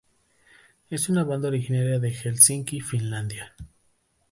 Es una banda originaria de Helsinki, Finlandia.